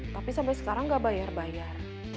tapi sampai sekarang nggak bayar bayar